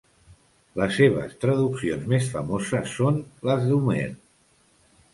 Les seves traduccions més famoses són les d'Homer.